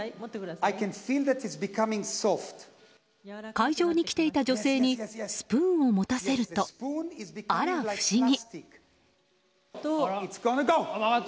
会場に来ていた女性にスプーンを持たせるとあら不思議。